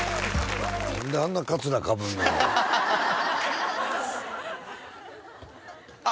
何であんなカツラかぶんねんあっ